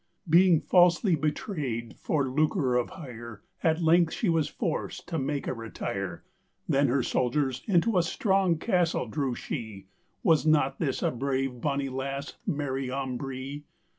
Being falselye betrayed for lucre of hyre, At length she was forced to make a retyre; Then her souldiers into a strong castle drew shee: Was not this a brave bonny lasse, Mary Ambree?